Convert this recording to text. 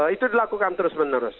itu dilakukan terus menerus